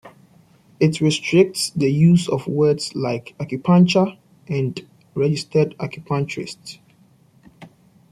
It restricts the use of words like "Acupuncture" and "Registered Acupuncturist".